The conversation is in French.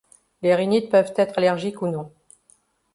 Les rhinites peuvent être allergiques ou non.